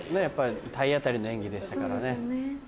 やっぱり体当たりの演技でしたからね。